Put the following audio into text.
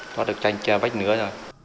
thoát được trang trang bách nữa rồi